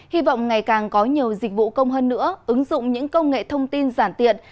hy vọng ngày càng có nhiều dịch vụ công hơn nữa ứng dụng những công nghệ thông tin giản tiện